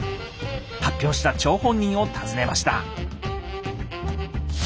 発表した張本人を訪ねました。